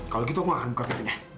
kalau begitu aku tidak akan buka pintunya